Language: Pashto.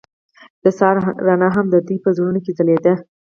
د سهار رڼا هم د دوی په زړونو کې ځلېده.